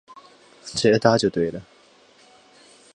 直接搭就对了